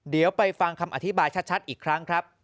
เดี๋ยวไปฟังคำอธิบายชัดอีกครั้งครับ